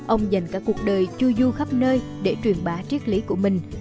ông dành cả cuộc đời chui du khắp nơi để truyền bá triết lý của mình